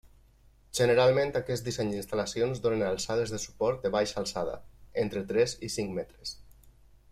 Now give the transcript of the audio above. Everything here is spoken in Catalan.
Generalment aquest disseny d'instal·lacions donen alçades de suport de baixa alçada, entre tres i cinc metres.